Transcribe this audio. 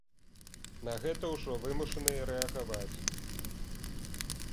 На гэта ўжо вымушаныя рэагаваць.